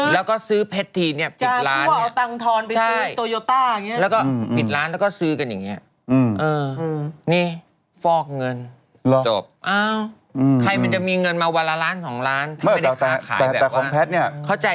แล้วก็ซื้อเพชรทีเนี่ยปิดล้านเนี่ย